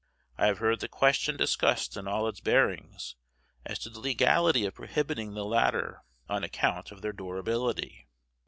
I have heard the question discussed in all its bearings as to the legality of prohibiting the latter on account of their durability.